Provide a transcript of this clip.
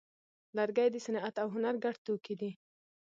لرګی د صنعت او هنر ګډ توکی دی.